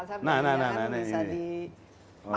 kalau kita jalan jalan ini makassar